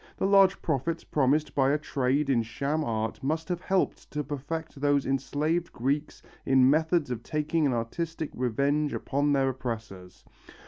The large profits promised by a trade in sham art must have helped to perfect those enslaved Greeks in methods of taking an artistic revenge upon their oppressors.